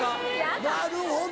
なるほど。